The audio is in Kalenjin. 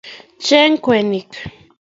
cheng kwenik